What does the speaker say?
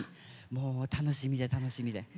もう楽しみで楽しみで。